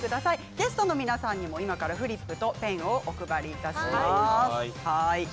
ゲストの皆さんにもフリップとペンをお配りします。